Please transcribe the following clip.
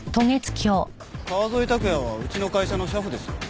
川添卓弥はうちの会社の車夫ですよ。